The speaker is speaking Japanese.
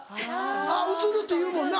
うつるっていうもんな。